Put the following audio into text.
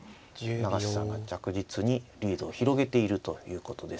永瀬さんが着実にリードを広げているということです。